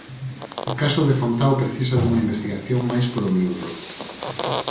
O caso de Fontao precisa dunha investigación máis polo miúdo.